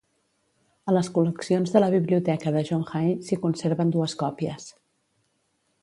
A les col·leccions de la Biblioteca de John Hay s'hi conserven dues còpies.